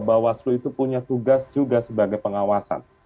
bawaslu itu punya tugas juga sebagai pengawasan